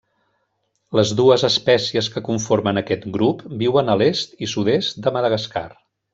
Les dues espècies que conformen aquest grup viuen a l'est i sud-est de Madagascar.